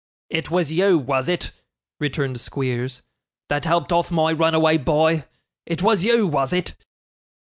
'It was you, was it,' returned Squeers, 'that helped off my runaway boy? It was you, was it?